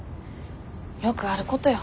よくあることよ。